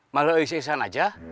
malah isi isihan saja